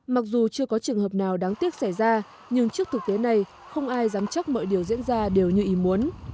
mặc dù chưa có trường hợp nào đáng tiếc xảy ra nhưng trước thực tế này không ai dám chắc mọi điều diễn ra đều như ý muốn